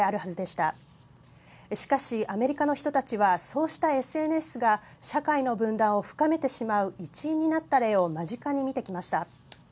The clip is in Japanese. しかし、アメリカの人たちはそうしたＳＮＳが社会の分断を深めてしまう一因になった例を間近に見てきました。